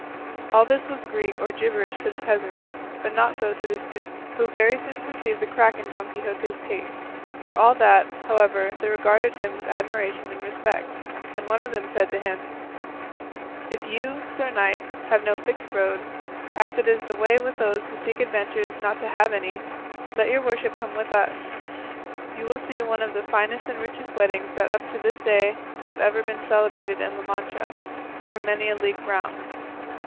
All this was Greek or gibberish to the peasants, but not so to the students, who very soon perceived the crack in Don Quixote's pate; for all that, however, they regarded him with admiration and respect, and one of them said to him, "If you, sir knight, have no fixed road, as it is the way with those who seek adventures not to have any, let your worship come with us; you will see one of the finest and richest weddings that up to this day have ever been celebrated in La Mancha, or for many a league round."